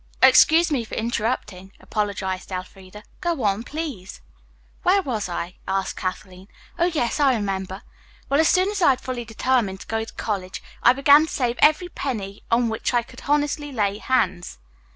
"Excuse me for interrupting," apologized Elfreda. "Go on, please." "Where was I?" asked Kathleen. "Oh, yes, I remember. Well, as soon as I had fully determined to go to college, I began to save every penny on which I could honestly lay hands.